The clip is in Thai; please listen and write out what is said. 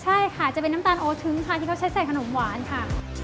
ใช่ค่ะจะเป็นน้ำตาลโอทึ้งค่ะที่เขาใช้ใส่ขนมหวานค่ะ